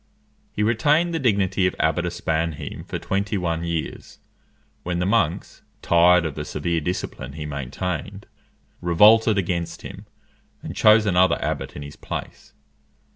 He retained the dignity of Abbot of Spannheim for twenty one years, when the monks, tired of the severe discipline he maintained, revolted against him, and chose another abbot in his place.